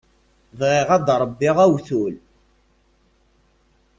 Bɣiɣ ad ṛebbiɣ awtul.